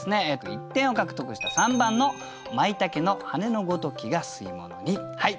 １点を獲得した３番の「舞茸の羽根のごときが吸物に」。